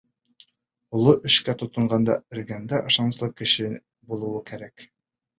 Оло эшкә тотонғанда эргәңдә ышаныслы кешең булыуы кәрәк.